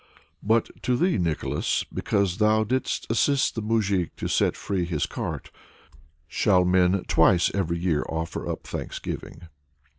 But to thee, Nicholas, because thou didst assist the moujik to set free his cart, shall men twice every year offer up thanksgiving."